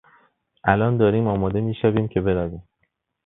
الان داریم آماده میشویم که برویم.